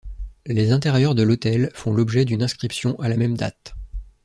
Les intérieurs de l'hôtel font l'objet d'une inscription à la même date.